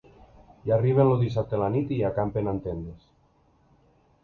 Hi arriben el dissabte a la nit i hi acampen en tendes.